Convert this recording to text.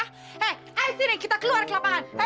hei ayo sini kita keluar ke lapangan